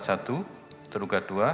bisa diperhatikan dari pardset